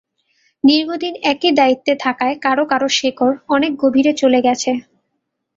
দীর্ঘদিন একই দায়িত্বে থাকায় কারও কারও শেকড় অনেক গভীরে চলে গেছে।